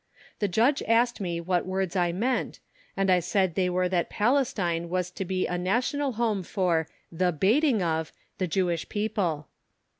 The Judge asked me what words I meant, and I said they were that Palestine was to be a national home for "the baiting of" the Jewish people!